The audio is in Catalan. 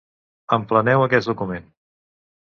Empleneu aquest document.